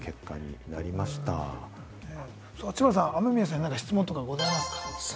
知花さん、雨宮さんに質問とかございますか？